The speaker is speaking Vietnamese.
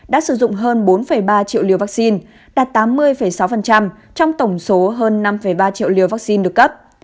đã sử dụng hơn bốn ba triệu liều vắc xin đạt tám mươi sáu trong tổng số hơn năm ba triệu liều vắc xin được cấp